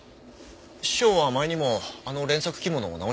師匠は前にもあの連作着物を直してますから。